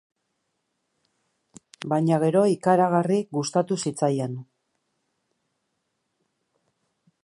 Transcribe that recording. Baina gero ikaragarri gustatu zitzaien.